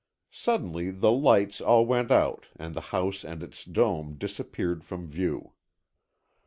Suddenly the lights all went out and the house and its dome disappeared from view.